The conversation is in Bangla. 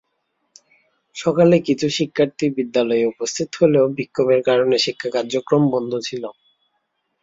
সকালে কিছু শিক্ষার্থী বিদ্যালয়ে উপস্থিত হলেও বিক্ষোভের কারণে শিক্ষা কার্যক্রম বন্ধ ছিল।